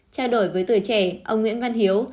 trao đổi với tuổi trẻ ông nguyễn văn hiếu